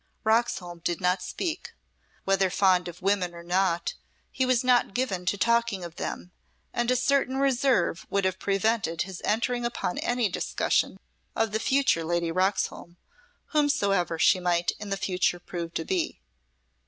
Roxholm did not speak. Whether fond of women or not, he was not given to talking of them, and a certain reserve would have prevented his entering upon any discussion of the future Lady Roxholm, whomsoever she might in the future prove to be.